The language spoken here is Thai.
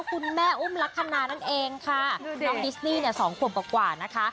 คุณแม่อุ้มลักษณะนั่นเองค่ะน้องดิสนี่เนี่ยสองขวบกว่านะคะ